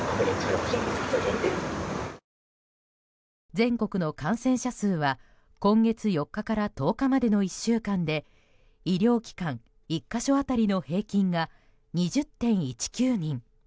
全国の感染者数は今月４日から１０日までの１週間で医療機関１か所当たりの平均が２０．１９人。